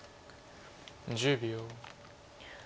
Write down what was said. １０秒。